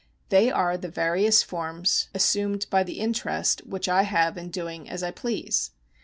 They are the various forms assumed by the interest which I have in doing as I please.